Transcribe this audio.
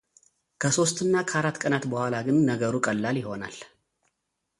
ከሦስት እና ከአራት ቀናት በኋላ ግን ነገሩ ቀላል ይሆናል።